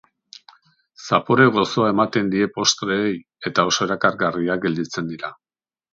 Zapore gozoa ematen die postreei eta oso erakargarriak gelditzen dira.